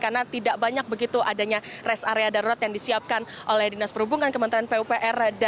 karena tidak banyak begitu adanya rest area darurat yang disiapkan oleh dinas perhubungan kementerian pupr dan